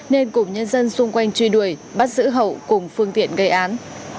nên cùng nhân dân xung quanh truy đuổi bắt giữ hậu cùng phương tiện gây án